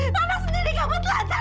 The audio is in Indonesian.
bapak sendiri kamu telah terkenal